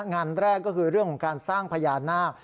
งานแรกก็คือเรื่องของการสร้างพญานาค